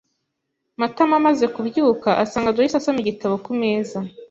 Matama amaze kubyuka, asanga Joyci asoma igitabo ku meza.